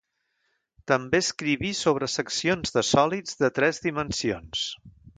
També escriví sobre seccions de sòlids de tres dimensions.